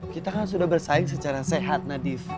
kita kan sudah bersaing secara sehat nadif